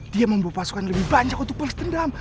dia membawa pasukan lebih banyak untuk berpendam